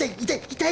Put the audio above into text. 痛い！